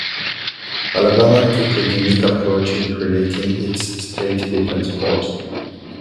Alabama took a unique approach in creating its state defense force.